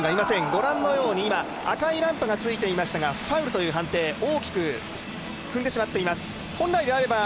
ご覧のように赤いランプがついていましたがファウルという判定、大きく踏んでしまっています。